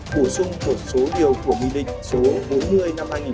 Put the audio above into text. bổ sung tổn số điều của nghị định số bốn mươi hai nghìn một mươi tám